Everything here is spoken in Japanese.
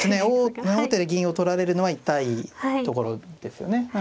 王手で銀を取られるのは痛いところですよね。